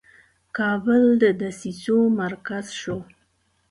کابل د دسیسو مرکز شو.